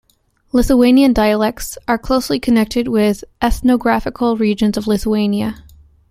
Lithuanian dialects are closely connected with ethnographical regions of Lithuania.